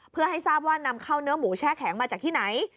เพื่อให้ทราบว่านำเข้าเนื้อหมูแช่แข็งมาจากที่ไหน